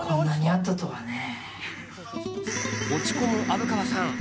落ち込む虻川さん。